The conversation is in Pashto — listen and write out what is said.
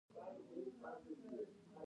په افغانستان کې د بزګان تاریخ اوږد دی.